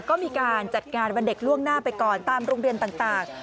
ก็มีการจัดงานวันเด็กล่วงหน้าไปก่อนตามโรงเรียนต่าง